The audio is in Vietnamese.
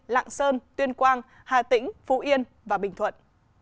lạng sơn tuyên quang hà tĩnh phú yên và bình thuận